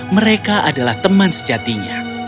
mereka adalah teman sejatinya